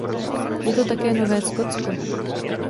Je to také Nové Skotsko.